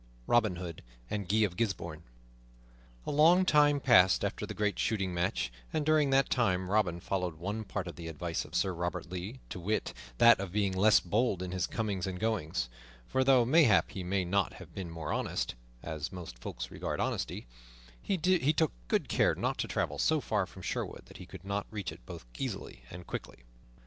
Robin Hood and Guy of Gisbourne A LONG TIME passed after the great shooting match, and during that time Robin followed one part of the advice of Sir Robert Lee, to wit, that of being less bold in his comings and his goings; for though mayhap he may not have been more honest (as most folks regard honesty), he took good care not to travel so far from Sherwood that he could not reach it both easily and quickly.